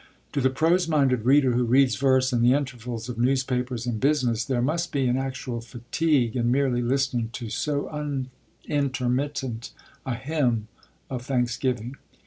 To the prose minded reader who reads verse in the intervals of newspaper and business there must be an actual fatigue in merely listening to so unintermittent a hymn of thanksgiving.